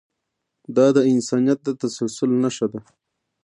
دا د انسانیت د تسلسل نښه ده.